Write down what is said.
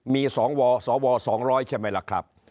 มีสวสว๒๐๐ใช่ไหมล่ะครับ